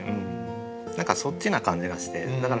何かそっちな感じがして。